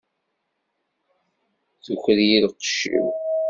Tuker-iyi lqecc-iw!